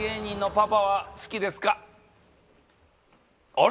あれ？